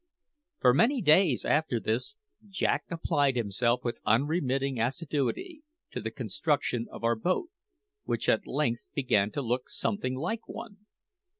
For many days after this, Jack applied himself with unremitting assiduity to the construction of our boat, which at length began to look something like one.